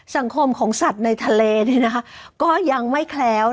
สังคมของสัตว์ในทะเลนี่นะคะก็ยังไม่แคล้วนะ